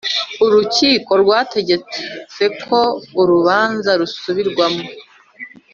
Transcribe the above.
Urukiko rwategetse ko urubanza rusubirwamo